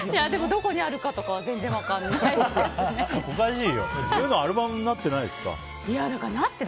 どこにあるかとかは全然分からないですね。